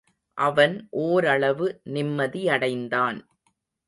அவன் ஓரளவு நிம்மதியடைந்தான்.